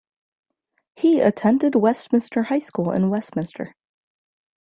He attended Westminster High School in Westminster.